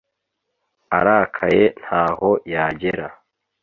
arakaye ntaho yagera